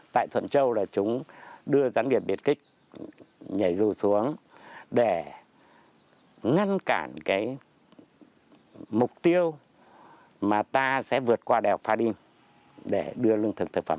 tại thuận châu là chúng đưa doanh nghiệp biệt kích nhảy dù xuống để ngăn cản mục tiêu mà ta sẽ vượt qua đèo pha đinh để đưa lương thực thực phẩm vào